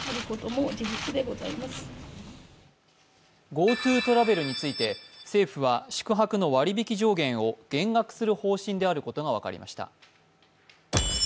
ＧｏＴｏトラベルについて政府は宿泊の割引上限を減額する方針であることが分かりました。